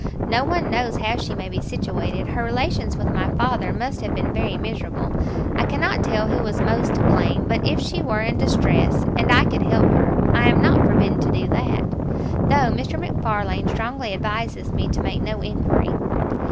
"No one knows how she may be situated her relations with my father must have been very miserable. I cannot tell who was most to blame but if she were in distress, and I could help her, I am not forbidden to do that, though Mr. MacFarlane strongly advises me to make no inquiry."